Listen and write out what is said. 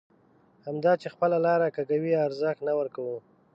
همدا چې خپله لاره کږوي ارزښت نه ورکوو.